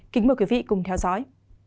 kính mời quý vị cùng theo dõi